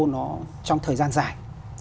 nó trong thời gian dài